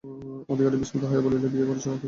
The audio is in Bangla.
অধিকারী বিস্মিত হইয়া বলিল, বিয়ে করেছ নাকি?